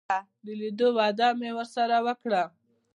د لیدلو وعده مې ورسره وکړه.